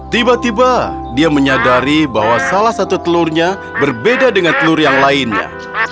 tiba tiba dia menyadari bahwa salah satu telurnya berbeda dengan telur yang lainnya